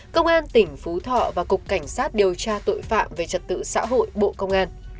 công an tỉnh phú thọ và cục cảnh sát điều tra tội phạm về trật tự xã hội bộ công an